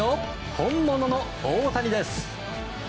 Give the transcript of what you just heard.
本物の大谷です。